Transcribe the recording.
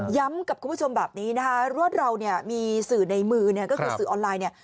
ย้ำกับคุณผู้ชมแบบนี้นะคะว่าเรามีสื่อในมือคือสื่อออนไลน์